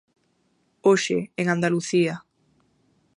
Hoxe, en Andalucía.